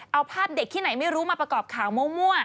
เอาภาพเด็กที่ไหนไม่รู้มาประกอบข่าวมั่ว